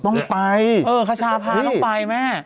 ต้องไปเออคชาพาต้องไปแม่